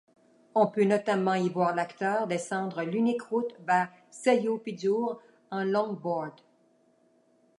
On peut notamment y voir l'acteur descendre l'unique route vers Seyðisfjörður, en longboard.